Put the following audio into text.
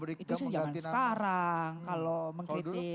itu sih jaman sekarang